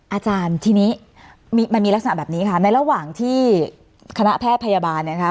อาจารย์ทีนี้มันมีลักษณะแบบนี้ค่ะในระหว่างที่คณะแพทย์พยาบาลเนี่ยนะคะ